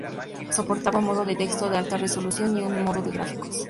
Soportaba un modo de texto de alta resolución y un solo modo de gráficos.